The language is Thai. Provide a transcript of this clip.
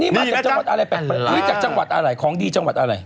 นี่มาจากจังหวัดอะไรแปลกจากจังหวัดอะไรของดีจังหวัดอะไร